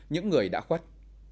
những người đã khuất